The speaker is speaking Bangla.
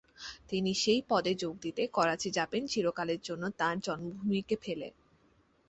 তিনি সেই পদে যোগ দিতে করাচি যাবেন চিরকালের জন্য তাঁর জন্মভূমিকে ফেলে।